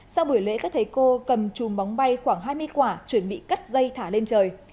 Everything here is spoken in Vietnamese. sau buổi lễ các thầy cô cầm chùm bóng bay khoảng hai mươi quả chuẩn bị cắt dây thả lên trời